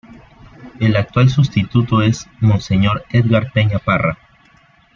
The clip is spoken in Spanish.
El actual sustituto es monseñor Edgar Peña Parra.